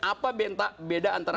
apa beda antara